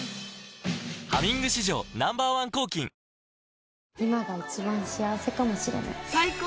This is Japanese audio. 「ハミング」史上Ｎｏ．１抗菌さあ